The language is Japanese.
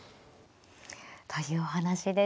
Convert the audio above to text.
というお話でした。